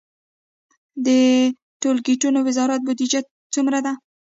د ټولګټو وزارت بودیجه څومره ده؟